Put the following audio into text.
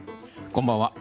こんばんは。